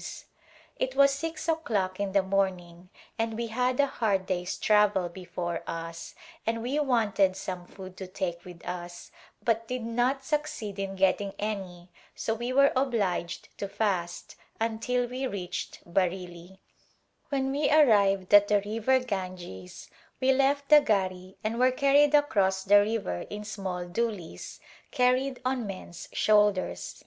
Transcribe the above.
A Glijupsc of India It was six o'clock in the morning and we had a hard dav's travel before us and we wanted some food to take with us but did not succeed in getting any so we were obliged to fast until we reached Bareilly. When we arrived at the river Ganges we left the gari and were carried across the river in small doolies carried on men*s shoulders.